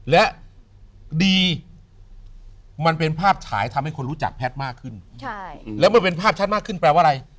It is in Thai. และดีมันเป็นภาพฉายทำให้คนรู้จักแพทย์มากขึ้นแล้วมันเป็นภาพชัดมากขึ้นแปลว่าอะไร